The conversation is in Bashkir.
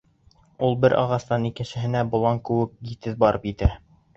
Ул бер ағастан икенсеһенә болан кеүек етеҙ барып етә.